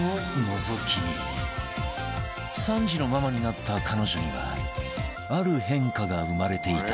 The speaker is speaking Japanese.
３児のママになった彼女にはある変化が生まれていた